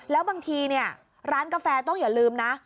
แล้วบางทีเนี่ยร้านกาแฟต้องอย่าลืมนะ